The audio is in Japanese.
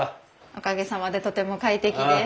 おかげさまでとても快適です。